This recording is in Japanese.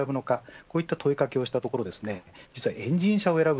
こういった問いかけをしたところエンジン車を選ぶ